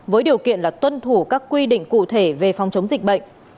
với điều kiện là tuân thủ các quy định cụ thể về phòng chống dịch bệnh